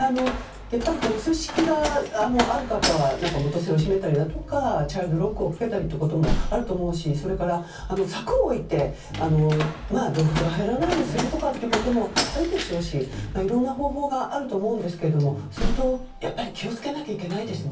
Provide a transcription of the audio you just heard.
押す式がある方は元栓を閉めたりだとかチャイルドロックをかけたりもあるかと思いますしそれから柵を置いて動物が入らないようにすることもあるでしょうしいろんな方法があると思うんですけど相当気を付けないといけないですね。